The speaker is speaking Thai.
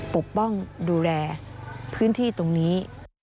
ปกป้องดูแลพื้นที่ตรงนี้